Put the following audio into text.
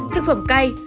thực phẩm cay